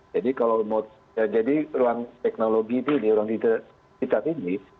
jadi kalau mau jadi ruang teknologi ini ruang digital ini